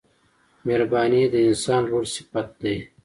• مهرباني د انسان لوړ صفت دی.